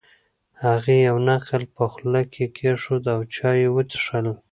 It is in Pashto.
هغې یو نقل په خوله کې کېښود او چای یې وڅښل.